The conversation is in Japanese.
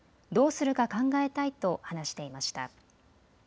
どうするか考えたいと話していました。